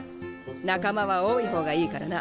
仲間は多い方がいいからな。